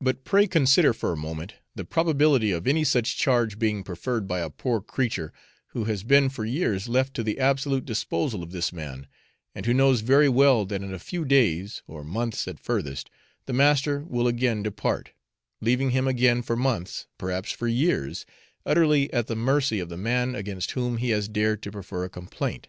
But pray consider for a moment the probability of any such charge being preferred by a poor creature, who has been for years left to the absolute disposal of this man, and who knows very well that in a few days, or months at furthest, the master will again depart, leaving him again for months, perhaps for years, utterly at the mercy of the man against whom he has dared to prefer a complaint.